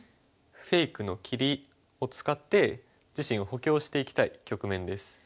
フェイクの切りを使って自身を補強していきたい局面です。